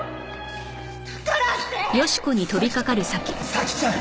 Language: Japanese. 咲ちゃん！